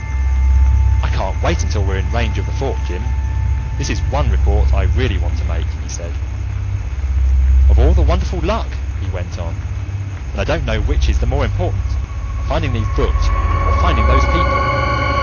"I can't wait until we're in radio range of the Fort, Jim. This is one report that I really want to make," he said. "Of all the wonderful luck!" he went on. "And I don't know which is the more important: finding those books, or finding those people.